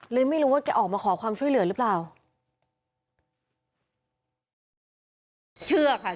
เลยไม่รู้ว่าแกออกมาขอความช่วยเหลือหรือเปล่า